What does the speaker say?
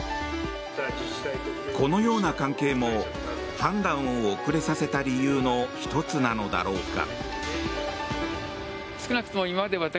このような関係も判断を遅れさせた理由の１つなのだろうか。